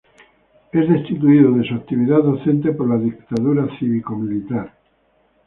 Es destituido de su actividad docente por la dictadura cívico-militar.